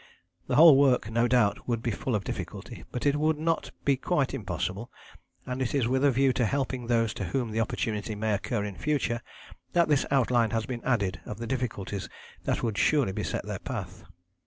The whole work no doubt would be full of difficulty, but it would not be quite impossible, and it is with a view to helping those to whom the opportunity may occur in future that this outline has been added of the difficulties that would surely beset their path."